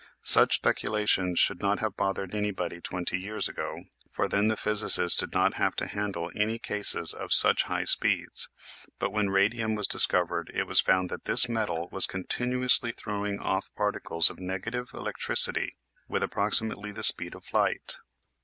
Such speculations would not have bothered any body twenty years ago, for then the physicist did not have to handle any cases of such high speeds. But when radium was discovered it was found that this metal was continuously throwing off particles of nega tive electricity with approximately the speed of light.